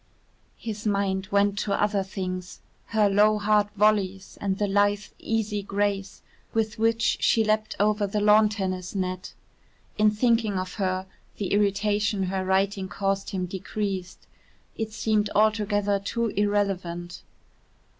His mind went to other things, her low hard volleys and the lithe, easy grace with which she leapt over the lawn tennis net. In thinking of her, the irritation her writing caused him decreased. It seemed altogether too irrelevant.